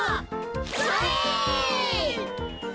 それ。